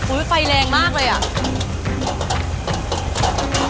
อุ้ยไฟแรงมากเลยอะ